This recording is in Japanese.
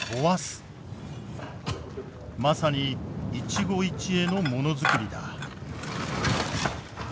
まさに一期一会のものづくりだ。